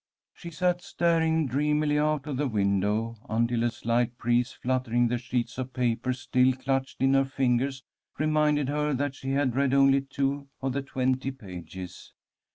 She sat staring dreamily out of the window until a slight breeze fluttering the sheets of paper still clutched in her fingers reminded her that she had read only two of the twenty pages.